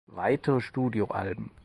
Weitere Studioalben